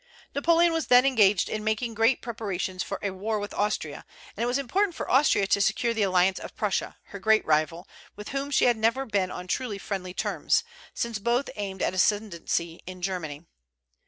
Napoleon was then engaged in making great preparations for a war with Austria, and it was important for Austria to secure the alliance of Prussia, her great rival, with whom she had never been on truly friendly terms, since both aimed at ascendency in Germany.